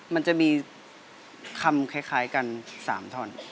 มันจะมีคำคล้ายกัน๓ท่อน